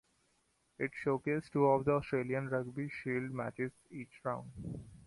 It showcased two of the Australian Rugby Shield matches each round.